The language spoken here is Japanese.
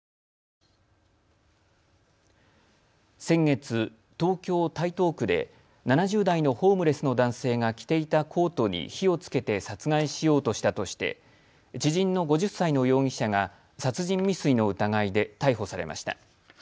先月、東京台東区で７０代のホームレスの男性が着ていたコートに火をつけて殺害しようとしたとして知人の５０歳の容疑者が殺人未遂の疑いで逮捕されました。